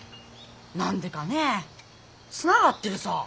何でかねえつながってるさー！